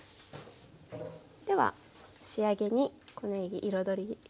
では仕上げにこのように彩り。